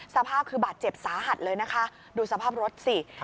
สภาพคือบาดเจ็บสาหัสเลยนะคะดูสภาพรถสิ